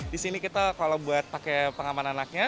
di sini kita kalau buat pakai pengaman anaknya